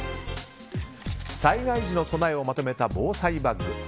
災害時の備えをまとめた防災バッグ。